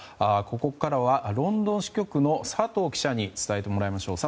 ここからはロンドン支局の佐藤記者に伝えてもらいましょう。